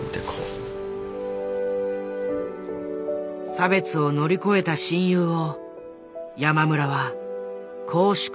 差別を乗り越えた親友を山村はこう祝福する。